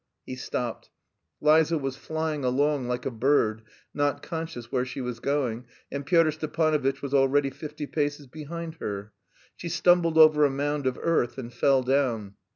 He stopped. Liza was flying along like a bird, not conscious where she was going, and Pyotr Stepanovitch was already fifty paces behind her. She stumbled over a mound of earth and fell down.